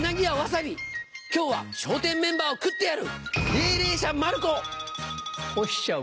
今日は笑点メンバーを食ってやる！